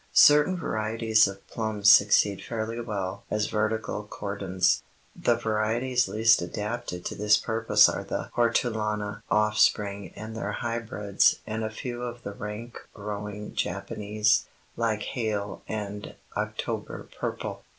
Certain varieties of plums succeed fairly well as vertical cordons. The varieties least adapted to this purpose are the Hortulana offspring and their hybrids and a few of the rank growing Japanese, like Hale and October Purple.